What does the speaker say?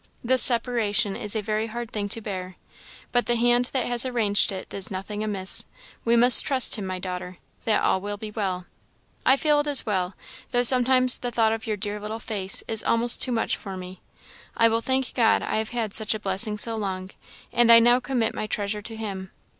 This separation is a very hard thing to bear. But the hand that has arranged it does nothing amiss; we must trust Him, my daughter, that all will be well. I feel it is well; though sometimes the thought of your dear little face is almost too much for me. I will thank God I have had such a blessing so long, and I now commit my treasure to him.